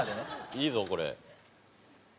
いいぞこれ。